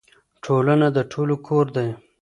ټولنه د ټولو کور دی.